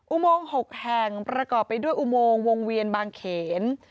อุโมง๖แห่งประกอบไปด้วยอุโมงวงเวียนบางเขน